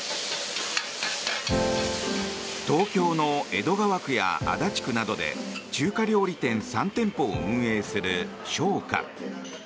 東京の江戸川区や足立区などで中華料理店３店舗を運営する翔華。